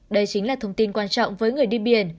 đây chính là thông tin quan trọng với người đi biển